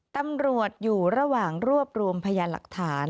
ตำรวจอยู่ระหว่างรวบรวมพยานหลักฐาน